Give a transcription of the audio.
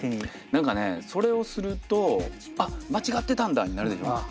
何かねそれをすると「あっ間違ってたんだ！」になるでしょ。